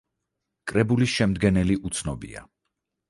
კრებულის შემდგენელი უცნობია.